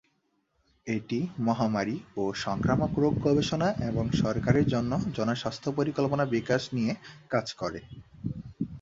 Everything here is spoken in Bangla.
এটি মহামারী ও সংক্রামক রোগ গবেষণা এবং সরকারের জন্য জনস্বাস্থ্য পরিকল্পনা বিকাশ নিয়ে কাজ করে।